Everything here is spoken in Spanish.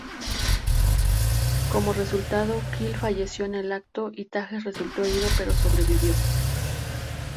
Como resultado Quel falleció en el acto y Tajes resultó herido pero sobrevivió.